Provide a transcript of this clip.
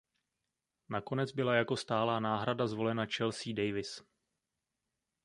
Nakonec byla jako stálá náhrada zvolena Chelsea Davis.